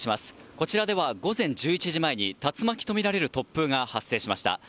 こちらでは午前１１時前に竜巻とみられる突風が発生しました。